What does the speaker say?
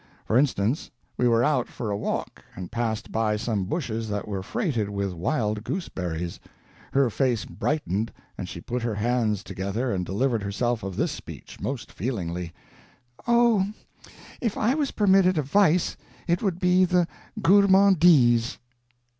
For instance, we were out for a walk, and passed by some bushes that were freighted with wild goose berries. Her face brightened and she put her hands together and delivered herself of this speech, most feelingly: "Oh, if I was permitted a vice it would be the gourmandise!"